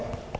bắn chết á